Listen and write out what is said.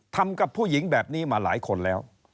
ทำกับผู้หญิงแบบนี้มาหลายคนแล้ว